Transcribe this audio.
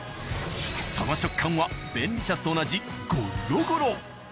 その食感は便利シャスと同じゴッロゴロ。